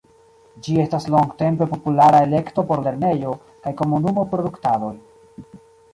Ĝi estas longtempe populara elekto por lernejo- kaj komunumo-produktadoj.